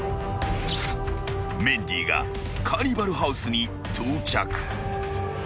［メンディーがカーニバルハウスに到着］